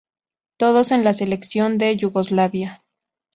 Todos en la selección de Yugoslavia.